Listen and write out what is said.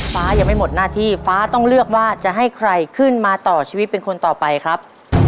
ฟ้ายังไม่หมดหน้าที่ฟ้าต้องเลือกว่าจะให้ใครขึ้นมาต่อชีวิตเป็นคนต่อไปครับ